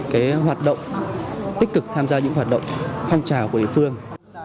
cái hoạt động tích cực tham gia những hoạt động phong trào của địa phương